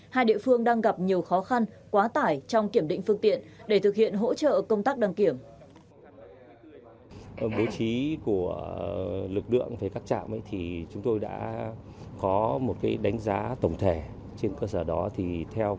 hai địa phương đang gặp nhiều khó khăn quá tải trong kiểm định phương tiện để thực hiện hỗ trợ công tác đăng kiểm